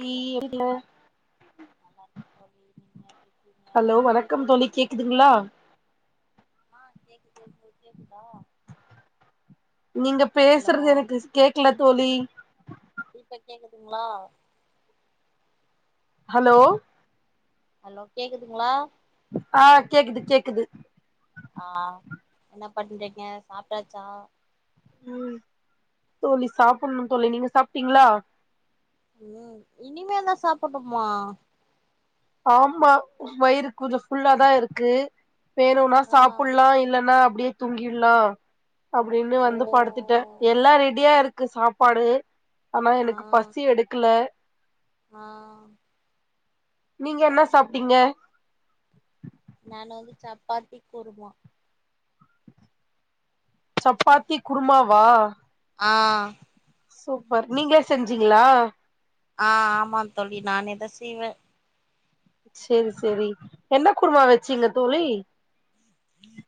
hello [inaudible] hello வணக்கம் தோழி கேக்குதுங்களா ஆ கேக்குது கேக்குதா நீங்க ஹலோ பேசுறது எனக்கு கேக்கல தோழி இப்ப கேக்குதுங்களா ஹலோ ஹலோ கேக்குதுங்களா ஆஹ் கேக்குது கேக்குது ஆஹ் என்ன பண்றீங்க சாப்பிட்டாச்சா உஹம் தோழி சாப்பிடணும் தோழி நீங்க சாப்பிட்டீங்களா உம் இனிமேல் தான் சாப்பிடனுமா ஆமா வயிரு கொஞ்சம் ஃபுல்லாதான் இருக்கு வேணும்னா ஆ சாப்புலாம் இல்லன்னா அப்படியே தூங்கிடலாம் அப்படின்னு ஓ வந்து படுத்துட்டேன் எல்லாம் ரெடியா இருக்கு சாப்பாடு ஆனா எனக்கு பசி எடுக்கல ஆஹ் நீங்க என்ன சாப்டீங்க நான வந்து சப்பாத்தி குருமா சப்பாத்தி குருமாவா ஆஹ சூப்பர் நீங்களே செஞ்சீங்களா ஆஹ் ஆம தோழி நானே தான் செய்வேன் செரி செரி என்ன குருமா வச்சீங்க தோழி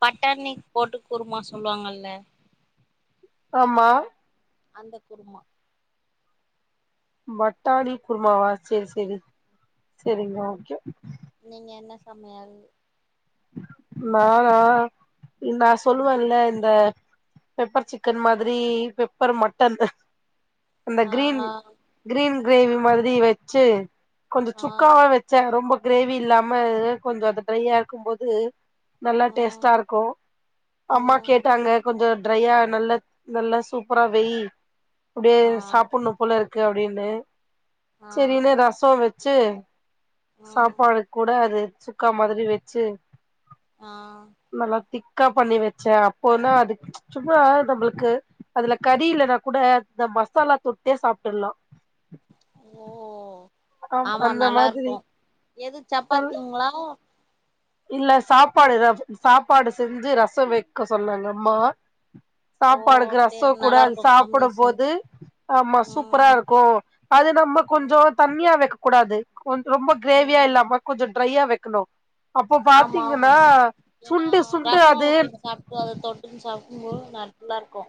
பட்டாணி போட்டு குருமா சொல்லுவாங்கல்ல ஆமா அந்த குருமா பட்டாணி குருமாவா செரி செரி செரிங்க ஓகே நீங்க என்ன சமையல் நானா நான் சொல்லுவேன்ல இந்த பெப்பர் சிக்கன் மாதிரி பெப்பர் மட்டன் இந்த ஆ கிரீன் கிரீன் கிரேவி மாதிரி வெச்சு கொஞ்சம் ஆ சுக்காவா வச்சேன் ரொம்ப கிரேவி இல்லாம கொஞ்சம் அது ட்ரையா இரு இருக்கும்போது நல்லா அ டேஸ்டா இருக்கு அ அம்மா கேட்டாங்க கொஞ்சோ ட்ரையா ஆவுன்ள நல்லா சூப்பரா வெய் அப்படியே ஆ சாப்புன்னும் போல இருக் கு அப்டின்னு ஆ செரினு ரசோம் வெச் சு ஆ சாப்பாடு கூட அது சுக்கா மாதிரி வெச் சு ஆ நல்லா திக் கா பண்ணி வெச்ச அப்போனா அது சும்மா நம்மளுக்கு அதுல கறி இல்லன்னா கூட இந்த மசாலா தொட்டே சாப்டுல்லா ம் ஆம் ஆமா அந்த நல்லா மாதிரி இருக்கு எது நல் சப்பாத்திங்ளா இல்ல சாப்பாடு சாப்பாடு செஞ்சு ரசோ வெக்க சொன்னாங்க அம்மா ஓ சாப்பாடுக்கு டே ரசோ கூட நல்லா அது இருக்கு சாப்புடும் காம்பினேஷன் போது ஆமா சூப்பரா ம் இருக்கு அது நம்ம கொஞ்சோ ம் தண்ணியா வெக்க கூடாது ஒந்து ரொம்ப க்ரேவியா ம் இல்லாம கொஞ்சோ ட்ரையா வெக்கனு ஆமா ஆமா ஏன்னா சுண்டு சுண்டு ரசோ அது ஊத்தி சாப்புட்டு அத தொட்டுன் சாப்புடும்போது நல்லா இருக்கு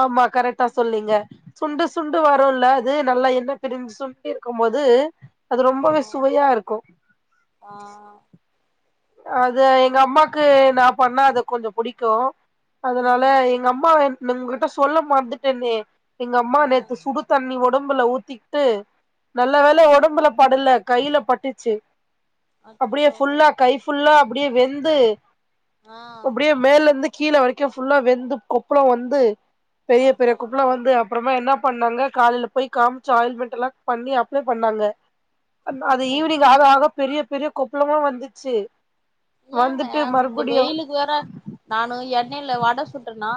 ஆமா கரெட்டா சொல்லீங்க சுண்டு சுண்டு வருல்ல அது நல்லா எண்ண பிரிஞ்சு சுண்டி இருக்கும் போது அது ரொம்பவே ஆ சுவையா இருக்கு ஆ அது எங்க அம்மாக்கு நா பண்ணா அத கொஞ்சோ புடிக்கு அதனால ம் எங்க அம்மாவ என் உங்ககிட்ட சொல்ல மறந்துட்டனே எங்க அம்மா ம் நேத்து சுடு தண்ணி ஒடம் ஒடம்புல ஊத்திக்கிட்டு நல்ல வேல ம் ஒடம்புல படல கையில பட்டுச்சு அப்டியே அச்சச்சோ ஃபுல்லா கை ஃபுல்லா அப்படியே வெந்து ஆ அப்படியே மேல இருந்து கீழ வரைக்கு ஃபுல்லா வெந்து கொப்புளோ வந்து பெரிய பெரிய கொப்புளோ அய்யய்யோ வந்து அப்புறமா என்ன பண்ணாங்க காலையில போய் காமிச்சோம் ஆயில்மெண்ட்லா பண்ணி அப்ளை பண்ணாங்க அது ம் ஈவினிங் ஆக ஆக பெரிய பெரிய கொப்பளமா வந்து ச்சு ஏங்க அ இந்த வெயிலுக்கு வேற நானும் ட்டில வடை சுட்டேனா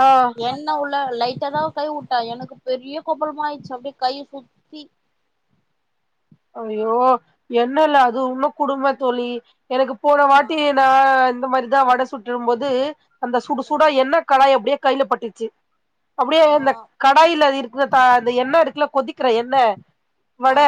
ஆ எண்ண உள்ள லைட் ஏதாவது கை வுட்ட எனக்கு பெரிய கொப்பளமா ஆயிச்சு அப்டியே கைய சுத்தி அய்யோ எண்ணெய் இல்ல அது இன்னும் கொடும்மை தோழி எனக்கு போன ஆ வாட்டி நான் இந்த மாதிரிதான் வடை சுட்டரும்போது அந்த சுடுசுடா ம் என்ன கடாய் அப்படியே கையில பட்டுச்சு அப்டியே ஆ இந்த கடாயில பா அந்த எண்ண இருக்ல கொதிக்கிற எண்ண ஆ வட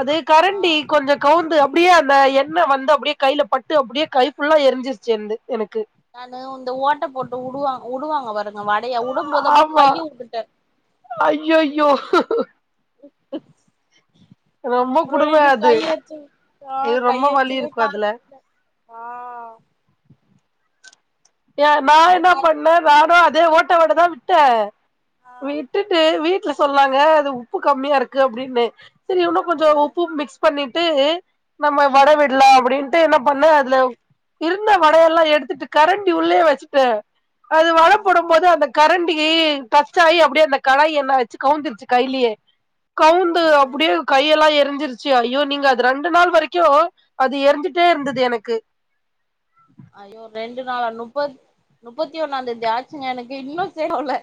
அது ஆ கரண்டி கொஞ்சம் கவுந்து அப் அப்படியே அந்த எண்ணெ வந்து அப்டியே கையில பட்டு அப்டியே கை ஃபுல்லா எரிஞ்சிரிச்சி எனக்கு நான இந்த ஓட்டை போட்டு விடுவா விடுவாங்க வரது வடையா விடும்போது அப்படிய் கையையும் விட்டுட்டன் அய்யய்யோ ஹ்ஹுஹு [inaudible] ரொம்ப அப்புறம் கொடும இன்ன அது கையெத்து ஐயோ ஆஹ் ரொம்ப வலி கையேத்துலே இருக்கு த அதுல ஆஹ் ஏ நான் என்ன பண்ணேன் நானும் அதே ஓட்ட ட்டோட தான் விட்ட ஆ விட்டுட்டு வீட்டு வீட்ல சொன்னாங்க அது உப்பு கம்மியா இருக்கு அப்டின்னு செரி இன்னும் ஆ கொஞ்சம் உப்பு மிக்ஸ் பண்ணி டு நம்ம வட ஆ விடலாம் அப்படின்னுட்டு என்ன பண்ண அதுல இருந்த வடையெ எல்லாம் எடுத்துட்டு கரண்ட் டி உள்ளயே வச்சுட்டேன் அது ம் வடைபோடும் போது அந்த கரண்ட் அப்படியே கட்ஆயி அப்படியே அந்த கடாய் எண்ண வச்சு கவுந்துடுச்சு கையிலயே கவுந்து அப்படியே கையெல்லாம் எ ரிச்சு ஐயோ நீங்க அது ரெண்டு நாள் வரைக்கும் அது எருஞ்சட்டே இருந்தது எனக்கு ஐயோ ரெண்டு நாளா முப்பத் முப்பத்தி ஒன்னாம்ந்தேதி ஆச்சுங்க எனக்கு இன்னும் தேரல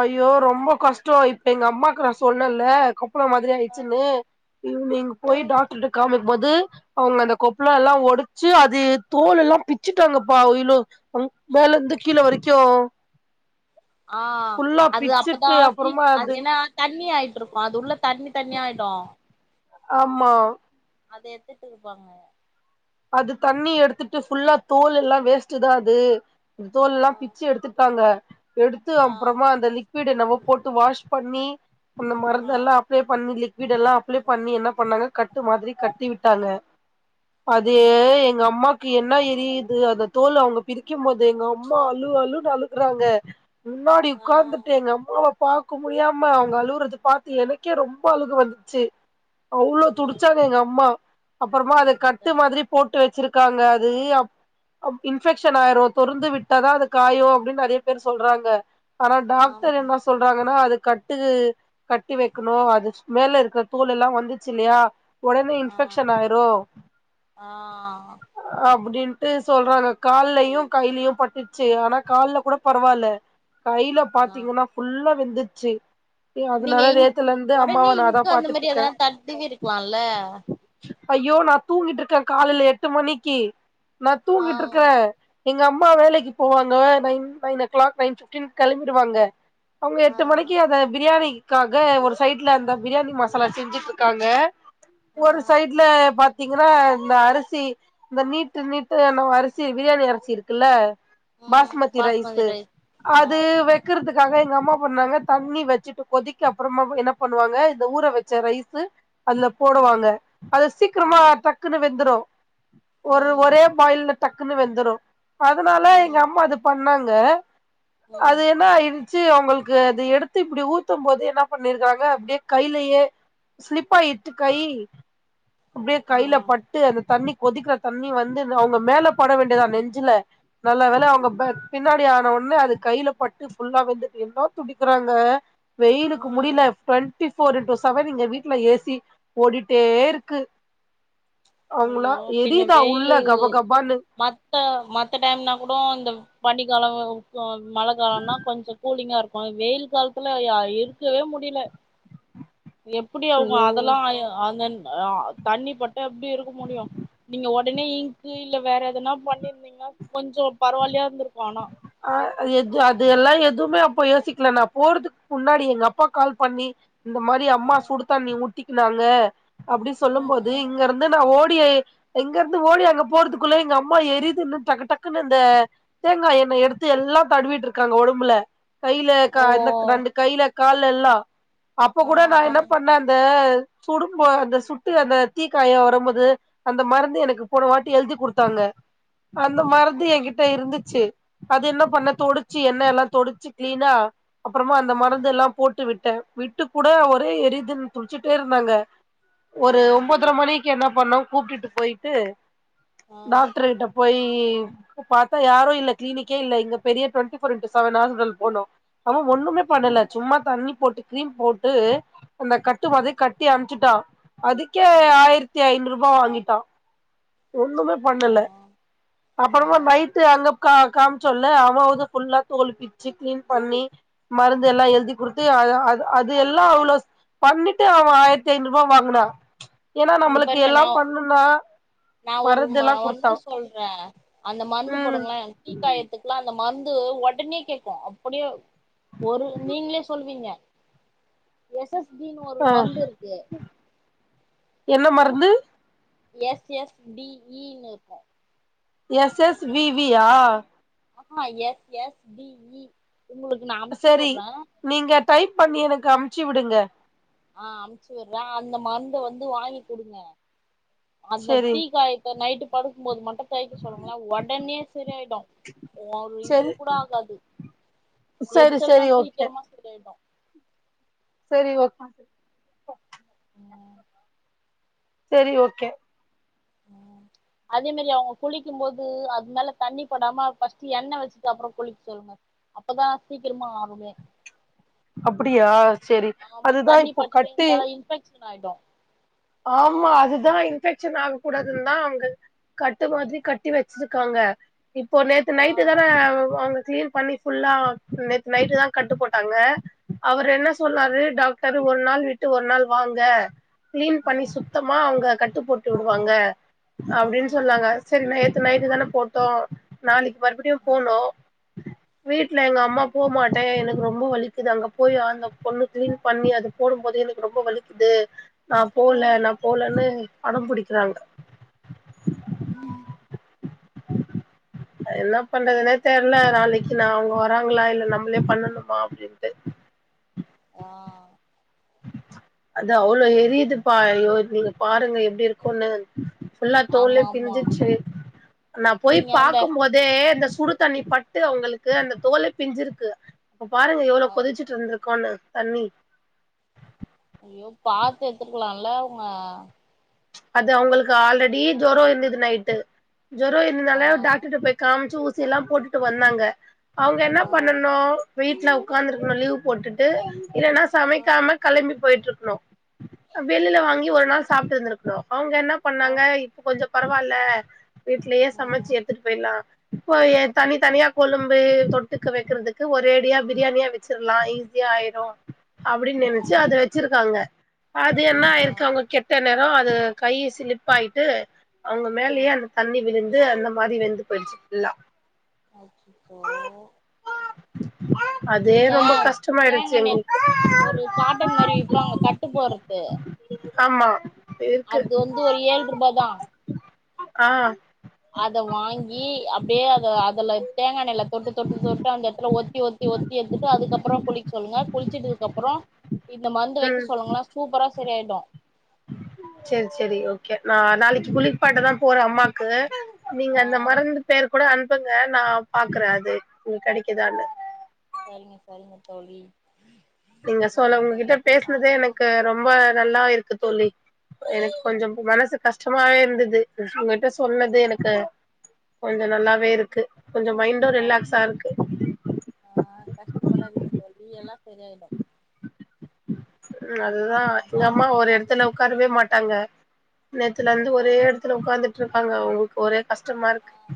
அய்யோ ரொம்ப கஷ்ட இப்ப எங்க அம்மாக்கு நா சொன்னன்ல பம் மாதிரி ஆயிச்சுன்னு ஈவினிங் போய் டாக்டர்ட்ட காமிங் பொது அவுங்க அத கொப்ளல்லாம் ஒடச்சு அது தோலெல்லா பிச்சுட்டாங்கப்பா இவ்ளோ மேலருந்து கீழ வரைக்கு ஆ ஃபுல்லா அது அப்பதா பிச்சுட்டு சி அப்புறமா அது அதுன்னா தண்ணி ஆயிட்டுருக்கு அது உள்ள தண்ணி தண்ணியாயிடு ஆமா அது எடுத்துட்டுஇருப்பாங்க அது தண்ணி எடுத்துட்டு ஃபுல்லா தோல் எல்லா வேஸ்ட் தா அது அ தோல் எல்லா பிச்சு ஆ எடுத்துட்டாங்க எடுத்து ஆ அப்றமா அந்த லிக்வி்டு என்னமொ போட்டு வாஷ் பண்ணி அ ஆ மருந்துல்லா அப்ளை பண்ணி லிக்விட் எல்லா அப்ளை பண்ணி என்ன பண்ணாங்க கட்டு மாதிரி கட்டி விட்டாங்க அதூ ஐயோ எங்க அம்மாக்கு என்ன ஏ புரியுது அந்த தோல் அவங்க பிரிக்கும் போது எங்க அம்மா அழு அழுன்னு அழுகுறாங்க முன்னாடி ஆ உக்கார்ந்துட்டே எங்க அம்மாவ பாக்க முடியாம அவங்க அழுவுறது பாத்து எனக்கே ரொம்ப அழுக வந்ச்சு அவ்ளோ ஐயோ துடிச்சாங்க எங்க அம்மா அப்பறமா அதுக் ட்டு மாதிரி போட்டு வச்சிருக் ருக்காங்க அது இன்பெக்ஷன் ஆயிரும் தொறந்து விட்டாதா அது காயும் அப்டின் நெறைய பேரு சொல்றாங்க ஆனா டாக்டர் ஆமா என்ன சொல்றாங்கனா அது கட் ட்டு கட்டி வைக்கணு அது மேல இருக்கிற தோல் எல்லா வந்துச்சுல்லையா உடனே ஆ இன்ஃபெக்ஷன் ஆயிரு ஆ அப்டின்ட்டு சொல்றாங்க கால்லயையும் கையிலயும் பட்டுச்சு ஆனா கால்ல கூட பரவாயில்ல கையில ஆ பாத்தீங்கன்னா ஃபுல்லா வந்துச்சு நீங்க இங் உடனே நா அதா இங்க்கு அந்த பாத்துட்டு மாதிரி இருக்கே எதுனா தடவி இருக்கலான்ல ஐயோ நான் தூங்கிட்ட டே காலையில எட்டு மணிக்கு நா ஆ தூங்கிட்டு இருக்க எங்க அம்மா வேலைக்கு போவாங்க nine nine o'clock nine fifteen கிளம்பிடுவாங்க அவங்க ஆ எட்டு மணிக்கு அத பிரியாணி க்காக ஒரு சைட்ல அந்த பிரியாணி மசாலா செஞ்சுட்டு இருக்காங்க ஒரு ஆ சைட்ல பத் த்திங்கனா இந்த அரிசி இந்த நீட்டு நீட்டு என்னவோ அரிசி பிரியாணி அரிசி இருக்குல்ல ம் பாஸ்மதி ரைஸ்சு ரைஸ் ஆ அது வெக்கிரதுக் இதுக்காக எங்க அம்மா பண்ணாங்க தண்ணி வெச்சுட்டு கொதிக்க அப்புறமா என்ன பண்ணுவாங்க இந்த ஊற வச்ச ரைஸ்சு அதுல ம் போடுவாங்க அது சீக்கரமா ம் தட் வெந்துரு ஒரு ம் ஒரே பாயில்ல டக்குனு வெந்துரு அதனால எங்க ம் அம்மா அது பண்ணாங் க ம் அது என்ன இது ச்சு அவங்களுக்கு அது எடுத்து இப்டி ஊத்தும் போது என்ன பண்ணிருக்காங்க அப்படியே கையிலயே ஸ்லிப்பாயிட்டு கை அப்படியே கையில ம் பட்டு அந்த தண்ணி கொதிக்கிற தண்ணி வந்து அவங்க மேல பட வேண்டியதா நெஞ்சுல நல்ல வேல அவங்க பின்னாடி ஆன ஒன்னே அது கையில பட்டு ஃபுல்லா வெந்துட்டு என்னோ துடிக்குறாங்க வெயிலுக்கு முடியல ம் டுவெண்டி போர் இன்டூ செவன் எங்க வீட்டுல ஏசி ஓடிட்டே இருக் க்கு ஐயோ பின்ன வெயிலு கபான்னு மத்த மத்த டைம்னா கூடோ இந்த பண்ணிக்காலோ மழ காலோன்னா கொஞ்ச கூலிங்கா இருக்கு வெயில் காலத்துலயா இருக்கவே முடில எப்படி அவங்க ஐயோ அதெல்லா அ அந்தன் ஆ தண்ணி பட்டா எப்டி இருக் உடனே இங்க்கு இல்ல வேற எதனா பண்ணிருந்தீங்கன்னா கொஞ்சோ பரவாலியா இருந்துருக்கு ஆனா அ எது அது எல்லா எதுவுமே அப்ப யோசிக்கல நா போறதுக்கு முன்னாடி எங்க அப்பா கால் பண்ணி இந்த மாரி அம்மா ம் சுடுதண்ணி ஊத் த்திக்குனாங்க அப்படி சொல்லும் போது ம் இங்க இருந்து நா ஓடி ஓடியே இங்கிருந்து ஓடி அங்க போறதுக்குள்ள எங்க அம்மா எரியுதுன்னு டக்கு டக்குன்னு இந்த தேங்காயெண்ணய எடுத் எடுத்து எல்லா தடுவிட்டு இருக்காங்க ஒடம்புல கையில க ஓ இந்த ரெண்டு கையில கால்ல எல்லா அப்ப ஆ கூட நா என்ன பண்ண அந்த சுடும்போது சுட்டு அந்த தீக்காய வரும்போது அந்த மருந்து எனக்கு போன வாட் டி எழுதி குடுத்தாங்க அந்த மருந்து எங்கிட் ட்ட இருந்துச்சு அது என்ன பண்ண தொடிச்சு எண்ணயெல்லா தொடிச்சு க்ளீனா அப்புறமா அந்த ம் மருந்தெல்லா போட்டு விட்ட விட்டு கூட ஒரே எரிதுன் துடிச்சுட்டே இருந்தாங்க ஆ ஒரு ஒன்பதர மணிக் என்ன பண்ணோ கூப்புட்டுட்டு போயிட்டு ஆ டாக்டர் கிட்ட போய் யி இப்ப பாத்தா யாரு இல்ல க்ளீனிக்கே இல்ல இங்க பெரிய twenty four into seven hospital போனோ அவங் ஒண்ணுமே பண்ணல சும்மா தண்ணி போட்டு கிரீம் போட்டு அந்த கட்டு மாதிரி ம் கட்டி அனுப்புச்சுட்டா அதுக்கே ம் ஆயிரத்தி ஐநூறுப் வா வாங்கிட்டா ஒண்ணுமே ஆ பண்ணல ஆ அப்பறமா நைட்டு அங்கப் கா காம்ச்சோல அவ வந்து ஃபுல்லா தோளு பிச்சு கிளீன் பண்ணி மருந்து எல்லா எழுதி குடுத்து அ அது எல்லா அவளோ பண்ணிட்டு அவ ஆயிரத்தி ஐநூரூவா வாங்குனா ஏன்னா இங்க நம்மளுக்கு பாருங்க எல்லா நா பண்ணுனா நா ஒரு எல்லா குடுத்தா மருந்து சொல்ற அந்த மருந்து ம் போடுங்களே தீ காயத்துக்கல்லா அந்த மருந் து ஒடனே கேக்கு அப்படியே ஒரு நீங்களே சொல்லுவீங்க எஸ்சஸ் அப்டினு ஒரு ஆ மருந்து இருக்கு என்ன மருந்து எஸ் எஸ் டி இன்னு இருக்கு எஸ் எஸ் வி வியா ஆஹாஹா எஸ் எஸ் பிஇ உங்களுக்கு நா செரி அம்சுர்ற நீங்க டைப் பண்ணி எனக்கு அமுச்சுவிடுங்க ஆ அமுச்சு விர்ற அந்த மருந்த வந்து வாங்கி குடுங்க அந்த செரி தீக்கயத்த நைட்டு படுக்கும்போது மட்டு தைக்க சொல்லுங்கள ஒடனே சரியாயிடு ஒரு இது செரி கூட ஆகாது செரி எரிச்சல்லா செரி ஓகே சீக்கிரமா செரியாயிடு செரி ஒக்கா ம் செரி ஓகே ம் அதே மேரி அவங்க குளிக்கும் போது அதுமேல தண்ணி படாம ஃபஸ்ட்டு எண்ண வெச்சுட்டு அப்பறோ குளிக்க சொல்லுங்க அப்பதா சீக்கிரமா ஆருமே அப்படியா செரி அதுதா இப்போ கட்டு ஷன் ஆயிடு ஆமா அதுதா இன்பெக்க்ஷன் ஆக கூடாதுன்தா அவுங்க கட்டு மாதிரி கட்டி வெச்சுருக்காங்க இப்போ நேத்து ஆ நைட்டுதான வாங்க க்ளீன் பண்ணி ஃபுல்லா நேத்து நைட்டுதா கட்டு போட்டாங்க அவரு என்ன சொன்னாரு டாக்டரு ஒரு நாள் விட்டு ஒரு நாள் வாங்க க்ளீன் பண்ணி ம் சுத்தமா அவங்க கட்டு போட்டு விடுவாங்க அப்டின் ம் சொன்னாங்க செரில்லெ நைட்டு தானே போட்டோ நாளைக்கு மறுபடியு போனோ வீட்டுல எங்க அம்மா போகமாட்டே எனக்கு ரொம்ப வலிக்குது அங்க போய அந்த பொண்ணு கிளீன் பண்ணி அது போடும் போது எனக்கு ரொம்ப வலிக்குது நா போல ம் நா போலன்னு அடம் புடிக்கிறாங்க ம் என்ன பண்றதுனே தெரல நாளைக்கு நா அவங்க வராங்களா இல்ல நம்மளே பண்ணணுமா அப்டின்ட்டு ஆ அது அவ்ளோ எரியுது பா ஐயோ நீங்க பாருங்க எப்டி இருக்குனு ஃபுல்லா தோலெ ஆமா ஆமா பிஞ்சிச்சு நா போய் நீங்க அந்த பாக்கும் போதே இந்த சுடு தண்ணி பட்டு அவங்களுக்கு அந்த தோலை பிஞ்சிருக்கு இப்ப பாருங்க எவ்ளோ ஆ கொதிச்சிட்டு இருந்திருக்கோனு தண்ணி ஐயோ பாத்து எடுத்துருக்கலா ல்லவங்க அது அவங்களுக்கு ஆல்ரெடி ஜொர இருந்தது நைட்டு ஜொர ஆ இருந்தாலே டாக்டர்ட்டு போய் காம்ச்சு ஊஸ் எல்லா போட்டுட்டு வந்தாங்க அவங்க என்ன ஆ பண்ணனு வீட்ல உட்காந்துருக்கணு லீவ் போட்டுட்டு இல்லன்னா ஆ சமைக்காம கெளம்பி போயிட்ருக் லோ வெளியில வாங்கி ஒரு நாள் சாப்ட்டு இருந்திருக் லோ அவங்க என்ன ஆ பண்ணாங்க இப்ப கொஞ்சம் பரவால்ல வீட்லயே சமைச்சு ம் எடுத்துட்டு போய்லா இப்ப தனி தனியா கொழும்பு தொட்டுக்க வைக்கறதுக்கு ஒரு ரேடியா பிரியாணியா வச்சிரலாம் ஈஸியா ஆயிடு அப்டின்னு நினைச்சு அத ம் வச்சிருக்காங்க அது என்ன ஆ ஆயிருக்கு அவங்க கெட்ட நேர் நா அது கை சிலிப்பாயிட்டு அவங்க ஆ மேலயே அந்த தண்ணி விழுந்து அந்த மாரி வெந்து போயிச்சு ஃபுள்ளா அச்சச்சோ [inaudible] அதே நீங்க ரொம்ப கஷ்டமாயிடுச்சு தேங்காய்ண்ணெ எங்களுக்கு ஒரு காட்டன் மாரி விப்பாங்க கட்டு போறது ஆமா இருக்கு அது வந்து ஒரு ஏழ்ற்ருபா தா ஆ அத வாங்கி அப்படியே அத அதுல தேங்கா எண்ணெய்ல தொட்டு தொட்டு தொட்டு அந்த எடத்துல ஒத்தி ஒத்தி ஒத்தி எடுத்துட்டு அதுக்கப்புறோ குளிக் சொல்லுங்க குளிச்சுட்டதுக்கு அப்புறோ இந்த மருந்து ம் வைக்க சொல்லுங்களே சூப்பரா சரியாயிடு செரி செரி ஓகே நா நாளைக்கு குளிப்பாட்டதா போற அம்மாக்கு நீங்க ஆ அந்த மறந்து பேரு கூட அன்புங்க நா பாக்குற அது இங்க கெடைக்குதானு சரிங்க சரிங்க தோழி நீங்க சோல சரிங்க தோழி உங்ககிட்ட பேசுனதே அதிகமா எனக்கு பேசுனோ ரொம்ப நல்லா இருக்கு தோழி எனக்கு கொஞ்சம் மனசு கஷ் கஷ்டமாவே இருந்துது உங்கிட்ட சொன்னது எனக்கு கொஞ்ச நல்லாவே இருக்கு கொஞ்சோ மைண்டு அ ரிலாக்ஸா இருக்கு ஆ கஷ்டப்படாதீங்க தோழி எல்லா செரியாயிடு ம் அதுதா எங்க நம்ம அம்மா அடுத்த ஒரு கால்ல எடத்துல சந்திப்போ உக்காரவே மாட்டாங்க நேத்துல இருந்து ஒரே ஆ எடத்துல உக்காந்துட்டு இருக்காங்க இப்ப அவங்களுக்கு ஒரே கஷ்டமா இருக்கு ஆ